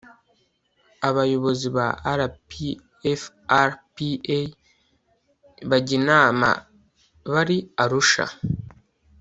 abayobozi ba rpfrpa bajya inama bari arusha